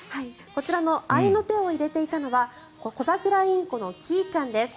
こちらの合いの手を入れていたのはコザクラインコのキーちゃんです。